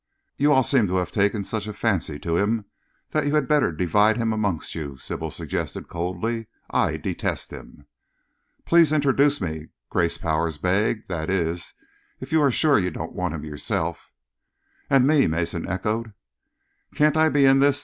"You all seem to have taken such a fancy to him that you had better divide him up amongst you," Sybil suggested coldly. "I detest him." "Please introduce me," Grace Powers begged, "that is, if you are sure you don't want him yourself." "And me," Mason echoed. "Can't I be in this?"